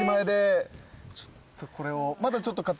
ちょっとこれを。